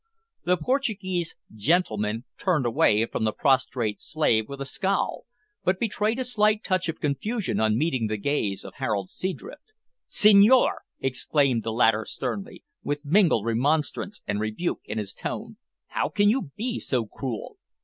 The Portuguese "gentleman" turned away from the prostrate slave with a scowl, but betrayed a slight touch of confusion on meeting the gaze of Harold Seadrift. "Senhor!" exclaimed the latter sternly, with mingled remonstrance and rebuke in his tone, "how can you be so cruel?